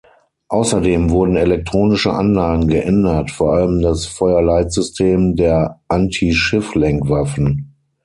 Außerdem wurden elektronische Anlagen geändert, vor allem das Feuerleitsystem der Anti-Schiff-Lenkwaffen.